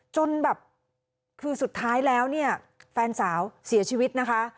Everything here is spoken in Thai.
จนแบบคือสุดท้ายแล้วเนี่ยแฟนสาวเสียชีวิตนะคะ